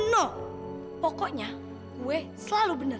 no pokoknya gue selalu bener